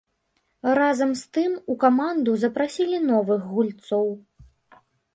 Разам з тым у каманду запрасілі новых гульцоў.